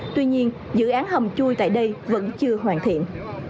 tuy nhiên dự án hầm chui tại đây vẫn chưa hoàn thiện